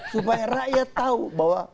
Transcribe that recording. supaya rakyat tahu bahwa